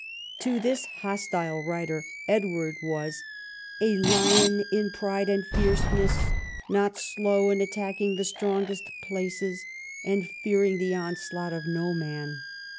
To this hostile writer Edward was " a lion in pride and fierceness, not slow in attacking the strongest places, and fearing the onslaught of no man."